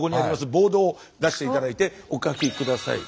ボードを出して頂いてお書き下さい。